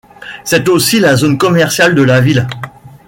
C'est aussi la zone commerciale de la ville.